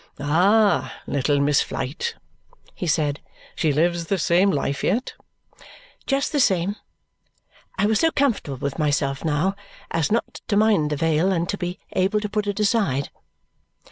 "Ah! Little Miss Flite!" he said. "She lives the same life yet?" "Just the same." I was so comfortable with myself now as not to mind the veil and to be able to put it aside.